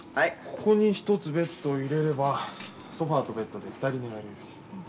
ここに１つベッド入れればソファーとベッドで２人寝られるし。